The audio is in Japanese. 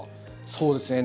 そうですね。